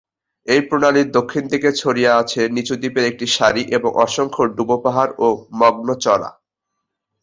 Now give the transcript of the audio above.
এই প্রণালীর দক্ষিণ দিকে ছড়িয়ে আছে নিচু দ্বীপের একটি সারি এবং অসংখ্য ডুবোপাহাড় ও মগ্ন চড়া।